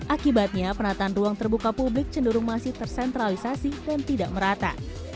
akibatnya penataan ruang terbuka publik cenderung masih tersentralisasi dan tidak merata